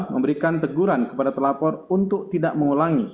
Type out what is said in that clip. memberikan teguran kepada telapor untuk tidak mengulangi